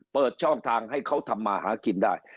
เปิดช่องทางให้เขาทำมาหากินได้